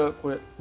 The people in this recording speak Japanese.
何？